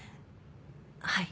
はい。